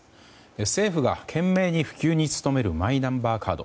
政府が懸命に普及に努めるマイナンバーカード。